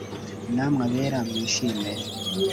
Namwe abera mwishime